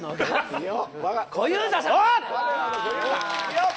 よっ！